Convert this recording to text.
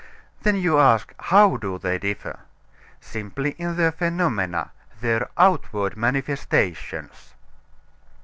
Then you ask, how do they differ? Simply in their phenomena their outward manifestations.